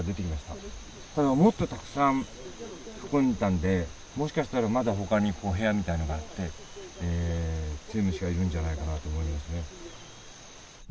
ただもっとたくさん運んでたんでもしかしたらまだ他に部屋みたいなのがあってツユムシがいるんじゃないかなと思いますね。